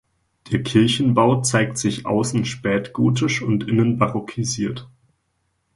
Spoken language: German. Der Kirchenbau zeigt sich außen spätgotisch und innen barockisiert.